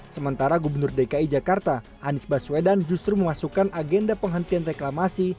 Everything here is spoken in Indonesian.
sementara gubernur dki jakarta anies baswedan justru memasukkan agenda penghentian reklamasi